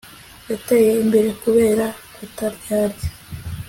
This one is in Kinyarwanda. Yateye imbere kubera kutaryarya